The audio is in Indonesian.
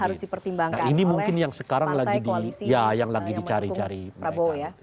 itu yang sebetulnya harus dipertimbangkan oleh pantai koalisi yang menunggu pak prabowo ya